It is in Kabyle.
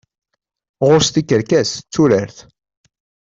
Ɣur-s tikerkas d turart.